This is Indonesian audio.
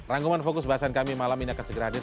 rangkuman fokus bahasan kami malam ini akan segera hadir